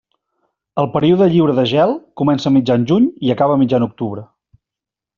El període lliure de gel comença a mitjan juny i acaba a mitjan octubre.